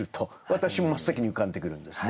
私も真っ先に浮かんでくるんですね。